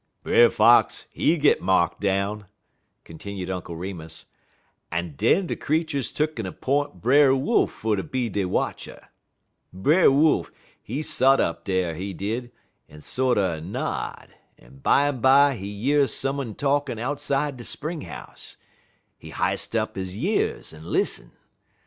"Brer Fox he git marked down," continued Uncle Remus, "en den de creeturs tuck'n 'p'int Brer Wolf fer ter be dey watcher. Brer Wolf, he sot up dar, he did, en sorter nod, but bimeby he year some un talkin' outside de spring house. He h'ist up he years en lissen.